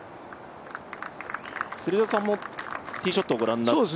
芹澤さんもティーショットをご覧になって？